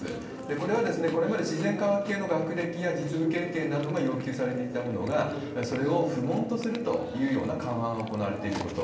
これは、これまで自然科学系の学歴や、実務経験などが要求されていたものが、それを不問とするというような緩和が行われているということ。